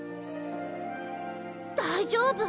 大丈夫？